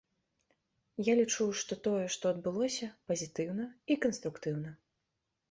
Я лічу, што тое, што адбылося, пазітыўна і канструктыўна.